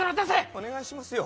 お願いしますよ。